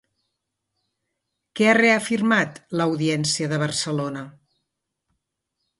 Què ha reafirmat l'audiència de Barcelona?